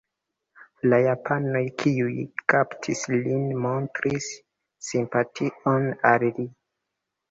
La japanoj kiuj kaptis lin montris simpation al li.